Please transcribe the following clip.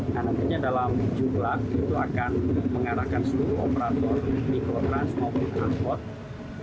nah nantinya dalam jumlah itu akan mengarahkan seluruh operator mikrotrans maupun transport